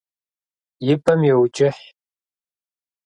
И пӏэм йоуджыхь.